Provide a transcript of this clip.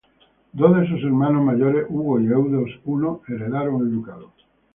Dos de sus hermanos mayores, Hugo y Eudes I, heredaron el ducado.